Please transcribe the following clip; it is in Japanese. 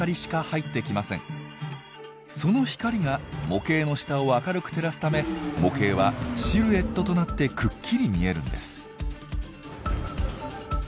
その光が模型の下を明るく照らすため模型はシルエットとなってくっきり見えるんです。